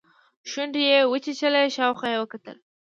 شونډې يې وچيچلې شاوخوا يې وکتل.